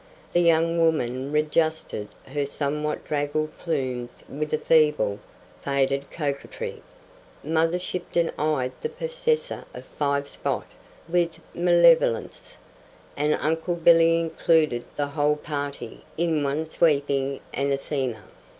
The young woman readjusted her somewhat draggled plumes with a feeble, faded coquetry; Mother Shipton eyed the possessor of "Five Spot" with malevolence, and Uncle Billy included the whole party in one sweeping anathema.